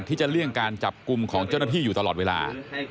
เลี่ยงการจับกลุ่มของเจ้าหน้าที่อยู่ตลอดเวลา